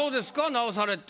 直されて。